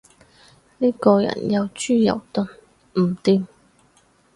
呢個人又豬又鈍，唔掂